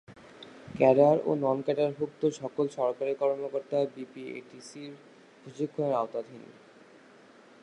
Cadre ও নন-ক্যাডারভুক্ত সকল সরকারি কর্মকর্তা বিপিএটিসি-র প্রশিক্ষণের আওতাধীন।